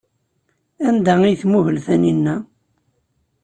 Anda ay tmuhel Taninna?